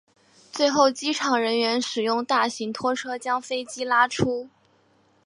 最后机场人员使用大型拖车将飞机拉出。